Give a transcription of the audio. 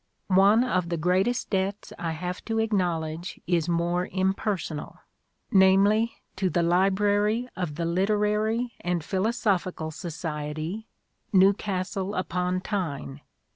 One of the greatest debts I have to acknowledge is more impersonal : namely, to the Library of the Literary and Philosophical Society, Newcastle upon Tyne.